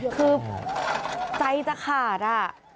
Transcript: คือใจจะขาดอะ